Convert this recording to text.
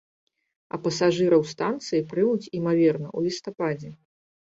А пасажыраў станцыі прымуць, імаверна, у лістападзе.